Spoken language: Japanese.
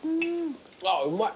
ああうまい。